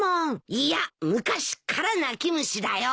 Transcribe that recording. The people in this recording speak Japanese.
いや昔っから泣き虫だよ。